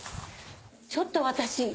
ちょっと私。